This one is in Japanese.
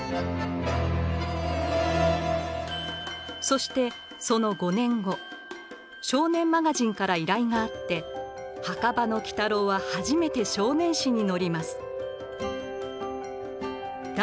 そしてその５年後「少年マガジン」から依頼があって「墓場の鬼太郎」は初めて少年誌に載ります。